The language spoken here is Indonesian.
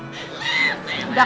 udah kayak bumi sama langit deh